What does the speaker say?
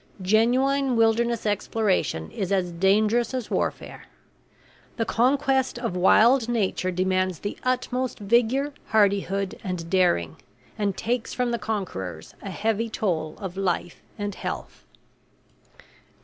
Genuine wilderness exploration is as dangerous as warfare. The conquest of wild nature demands the utmost vigor, hardihood, and daring, and takes from the conquerors a heavy toll of life and health.